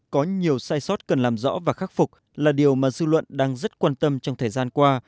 có nhiều sai sót cần làm rõ và khắc phục là điều mà dư luận đang rất quan tâm trong thời gian qua